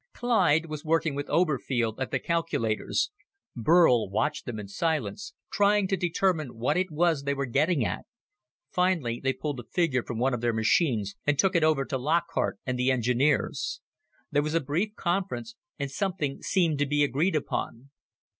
Clyde was working with Oberfield at the calculators. Burl watched them in silence, trying to determine what it was they were getting at. Finally they pulled a figure from one of their machines and took it over to Lockhart and the engineers. There was a brief conference, and something seemed to be agreed upon.